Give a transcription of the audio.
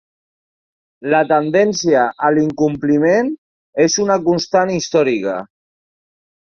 La tendència a l’incompliment és una constant històrica.